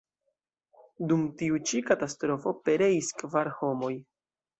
Dum tiu ĉi katastrofo pereis kvar homoj.